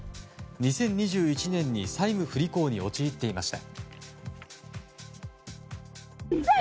２０２１年に債務不履行に陥っていました。